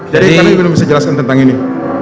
jadi kami belum bisa jelaskan tentang ini